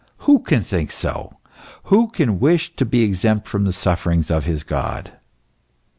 Who can think so who can wish to be exempt from the sufferings of his God